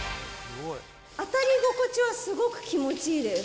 当たり心地はすごい気持ちいいです。